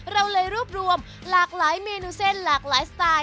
เราเลยรวบรวมหลากหลายเมนูเส้นหลากหลายสไตล์